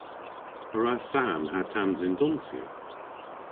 A wra Sam ha Tamzyn donsya?